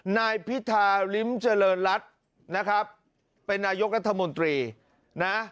นายพิธาริมเจริญรัฐนะครับเป็นนายกรัฐมนตรีนะ